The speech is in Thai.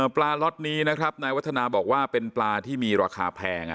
ปลาล็อตนี้นะครับนายวัฒนาบอกว่าเป็นปลาที่มีราคาแพง